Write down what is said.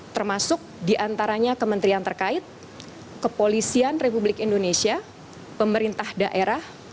termasuk diantaranya kementerian terkait kepolisian republik indonesia pemerintah daerah